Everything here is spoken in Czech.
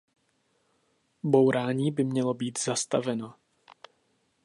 Bourání by mělo být zastaveno.